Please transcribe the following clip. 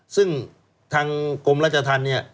ซึ่งทางกรมราชธรรมเนี่ย